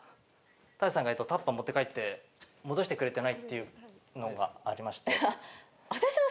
多江さんがタッパー持って帰って戻してくれてないっていうのがありまして。